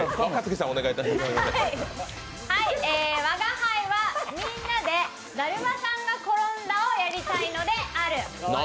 吾輩はみんなでだるまさんがころんだをやりたいのである。